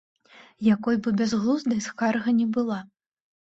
Якой бы бязглуздай скарга ні была.